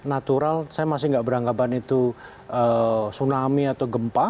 natural saya masih tidak beranggapan itu tsunami atau gempa